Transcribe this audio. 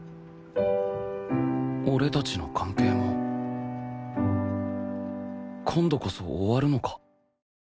俺たちの関係も今度こそ終わるのか？